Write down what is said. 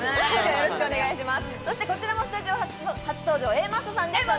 よろしくお願いします。